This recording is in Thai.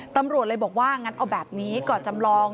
ตำรวจเลยบอกว่างั้นเอาแบบนี้ก่อนจำลอง